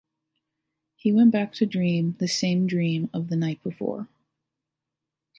He went back to dream the same dream of the night before.